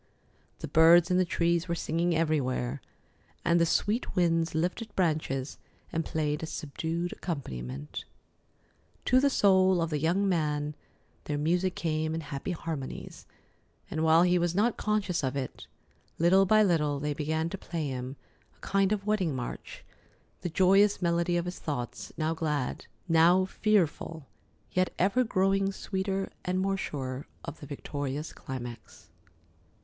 The birds in the trees were singing everywhere, and the sweet winds lifted branches and played a subdued accompaniment. To the soul of the young man, their music came in happy harmonies, and, while he was not conscious of it, little by little they began to play him a kind of wedding march, the joyous melody of his thoughts, now glad, now fearful, yet ever growing sweeter and more sure of the victorious climax.